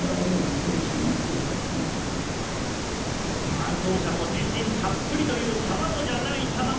担当者も自信たっぷりという、たまごじゃないたまご。